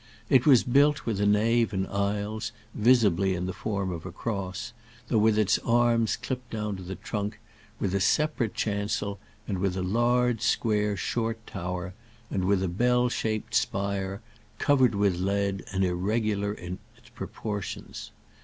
It was built with a nave and aisles, visibly in the form of a cross, though with its arms clipped down to the trunk, with a separate chancel, with a large square short tower, and with a bell shaped spire, covered with lead and irregular in its proportions.